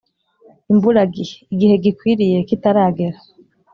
imburagihe: igihe gikwiriye kitaragera,